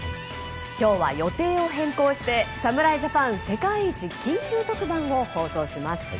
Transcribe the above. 今日は予定を変更して侍ジャパン世界一緊急特番を放送します。